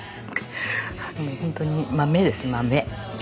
もうほんとに豆です豆。